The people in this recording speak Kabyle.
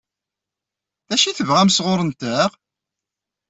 D acu i tebɣam sɣur-nteɣ?